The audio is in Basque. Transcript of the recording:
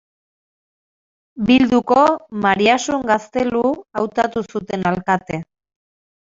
Bilduko Mariasun Gaztelu hautatu zuten alkate.